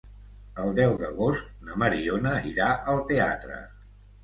El deu d'agost na Mariona irà al teatre.